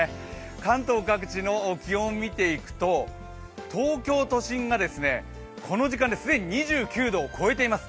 関東各地の気温、見ていくと東京都心がこの時間で既に２９度を超えています。